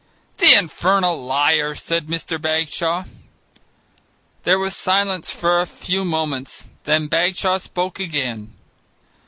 "The infernal liar!" said Mr. Bagshaw. There was silence for a few moments. Then Bagshaw spoke again.